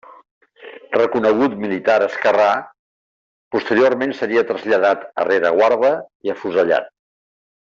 Reconegut militar esquerrà, posteriorment seria traslladat a rereguarda i afusellat.